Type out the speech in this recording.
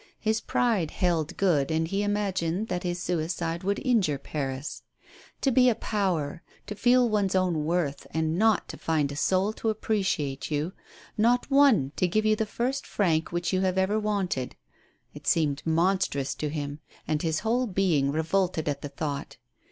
His pride held good, and he imagined that his suicide would injure Paris. To be a power, to feel one's own worth, and not to find a soul to appreciate you, not one to give you the first franc which you have ever wanted! It seemed monstrous to him, and his ivhole being revolted at the thought.